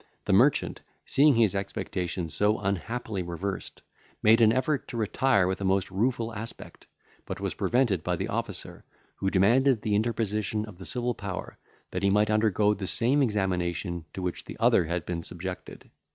The merchant, seeing his expectation so unhappily reversed, made an effort to retire with a most rueful aspect, but was prevented by the officer, who demanded the interposition of the civil power, that he might undergo the same examination to which the other had been subjected.